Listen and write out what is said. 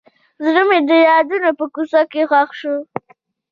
زړه مې د یادونو په کوڅو کې ښخ شو.